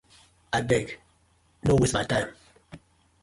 Abeg! No waste my time.